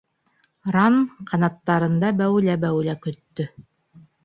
Ранн ҡанаттарында бәүелә-бәүелә көттө.